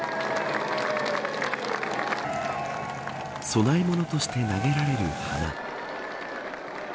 供え物として投げられる花。